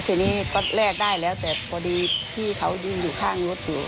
แท้นี้ก็แลกได้แล้วพอดีที่เขายืนอยู่ข้างรถตรง